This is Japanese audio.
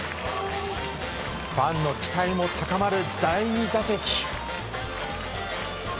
ファンの期待も高まる第２打席。